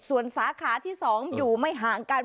ส่วนสาขาที่๒อยู่ไม่ห่างกัน